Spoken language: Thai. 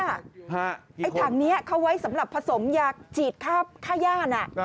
ไอ้ถังนี้เขาไว้สำหรับผสมยาฉีดค่าย่าน